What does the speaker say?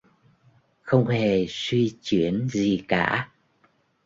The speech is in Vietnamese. Không hề suy chuyển gì cả